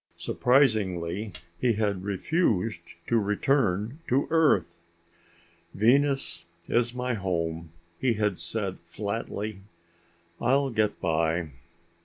Surprisingly, he had refused to return to Earth. "Venus is my home," he had said flatly. "I'll get by."